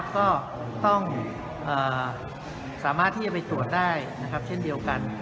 ก็ต้องสามารถที่จะไปตรวจได้นะครับเช่นเดียวกัน